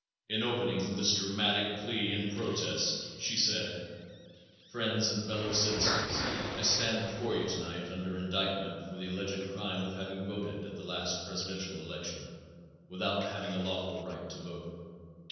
In opening this dramatic plea and protest she said: "Friends and Fellow Citizens: I stand before you tonight under indictment for the alleged crime of having voted at the last presidential election, without having a lawful right to vote.